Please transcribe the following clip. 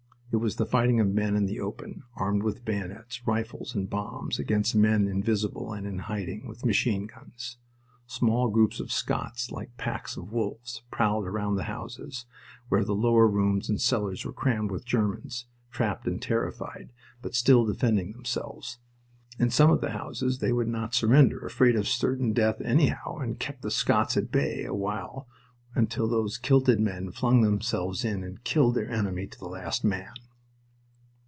It was the fighting of men in the open, armed with bayonets, rifles, and bombs, against men invisible and in hiding, with machine guns. Small groups of Scots, like packs of wolves, prowled around the houses, where the lower rooms and cellars were crammed with Germans, trapped and terrified, but still defending themselves. In some of the houses they would not surrender, afraid of certain death, anyhow, and kept the Scots at bay awhile until those kilted men flung themselves in and killed their enemy to the last man.